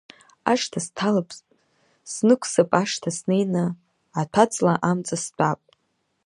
Ашҭа сҭалап, снықәсып ашҭа, снеины аҭәа-ҵла амҵа стәап.